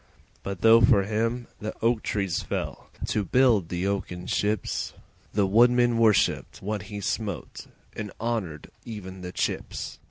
But though for him the oak trees fell To build the oaken ships, The woodman worshipped what he smote And honoured even the chips.